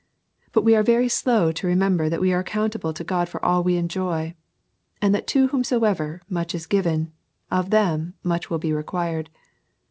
But we are very slow to remember that we are accountable to God for all we enjoy ; and that to whomsoever much is given, of them much will be required.